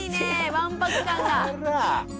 わんぱく感が。